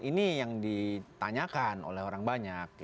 ini yang ditanyakan oleh orang banyak